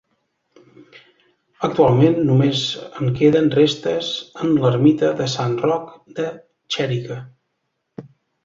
Actualment només en queden restes en l'ermita de Sant Roc de Xèrica.